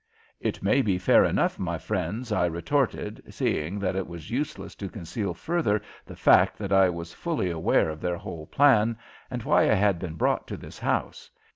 "It may be fair enough, my friends," I retorted, seeing that it was useless to conceal further the fact that I was fully aware of their whole plan and why I had been brought to this house.